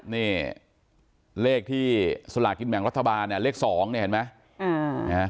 นี่เลขที่สลากินแบ่งรัฐบาลเนี่ยเลข๒เนี่ยเห็นไหม